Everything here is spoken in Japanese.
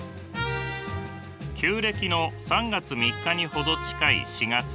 旧暦の３月３日に程近い４月。